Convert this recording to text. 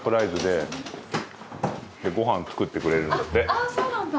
ああそうなんだ。